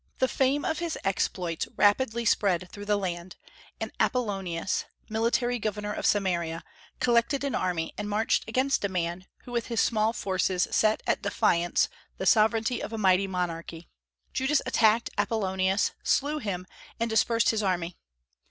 The fame of his exploits rapidly spread through the land, and Apollonius, military governor of Samaria, collected an army and marched against a man who with his small forces set at defiance the sovereignty of a mighty monarchy. Judas attacked Apollonius, slew him, and dispersed his army.